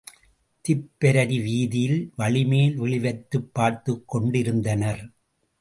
Tipperary வீதியில் வழிமேல் விழிவைத்துப் பார்த்துக் கொண்டேயிருந்தனர்.